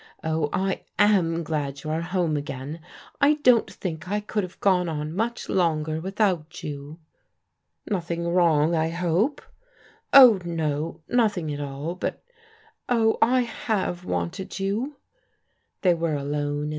Oh, I am glad you are home again. I don't think I could have gone on much longer without you." " Nothing wrong, I hope? " "Oh, no, nothing at all. But — oh, I have wanted you!" They were alone in.